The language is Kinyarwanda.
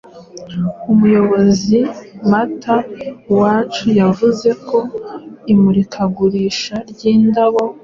Umuyobozi Mata Uwacu, yavuze ko imurikagurisha ry’indabo